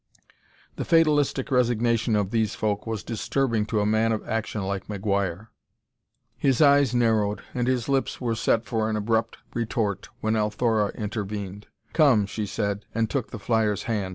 The fatalistic resignation of these folk was disturbing to a man of action like McGuire. His eyes narrowed, and his lips were set for an abrupt retort when Althora intervened. "Come," she said, and took the flyer's hand.